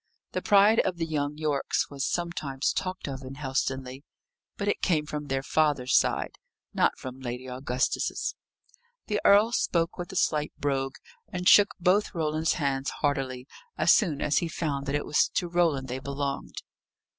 The pride of the young Yorkes was sometimes talked of in Helstonleigh, but it came from their father's side, not from Lady Augusta's. The earl spoke with a slight brogue, and shook both Roland's hands heartily, as soon as he found that it was to Roland they belonged.